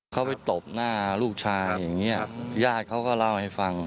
เขาไปตบหน้าลูกชายอย่างนี้ญาติเขาก็เล่าให้ฟัง